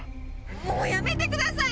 もうやめてください！